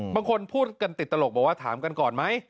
บางคนพูดกันติดตลกบอกว่าถามกันก่อนไหม